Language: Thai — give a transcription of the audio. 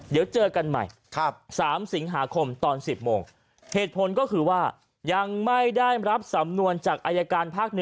เดี๋ยวเจอกันใหม่๓สิงหาคมตอน๑๐โมงเหตุผลก็คือว่ายังไม่ได้รับสำนวนจากอายการภาค๑